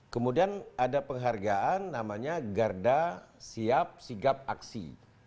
kemudian ada penghargaan namanya garda siap sigap aksi